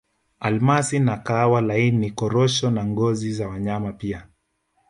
Almasi na kahawa lakini Korosho na ngozi za wanyama pia